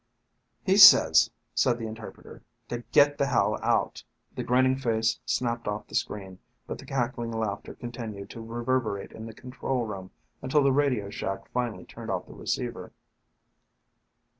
"He says," said the interpreter, "to get the hell out." The grinning face snapped off the screen, but the cackling laughter continued to reverberate in the control room until the radio shack finally turned off the receiver.